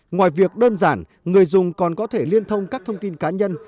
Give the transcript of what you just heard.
ngoài việc đơn giản người dùng còn có thể liên thông các thông tin cá nhân